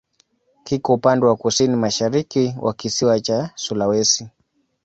Kiko upande wa kusini-mashariki wa kisiwa cha Sulawesi.